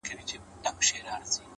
• شاعر: ایلا ویلر ویلکا کس ,